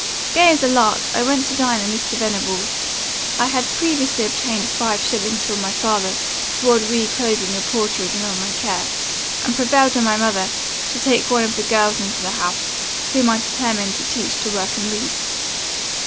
"Gay as a lark, I went to dine at Mr. Venables'. I had previously obtained five shillings from my father, towards re clothing the poor children of my care, and prevailed on my mother to take one of the girls into the house, whom I determined to teach to work and read.